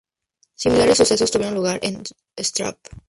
Similares sucesos tuvieron lugar en Strabane.